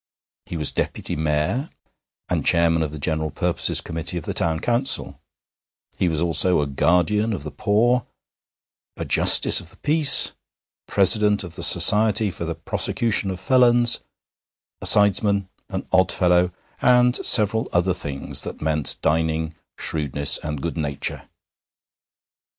He was Deputy Mayor, and Chairman of the General Purposes Committee of the Town Council; he was also a Guardian of the Poor, a Justice of the Peace, President of the Society for the Prosecution of Felons, a sidesman, an Oddfellow, and several other things that meant dining, shrewdness, and good nature.